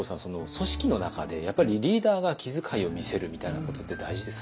組織の中でやっぱりリーダーが気遣いを見せるみたいなことって大事ですか？